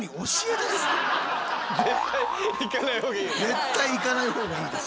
絶対行かないほうがいいです。